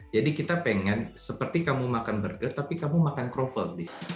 jadi kita pengen seperti kamu makan burger tapi kamu makan kroffel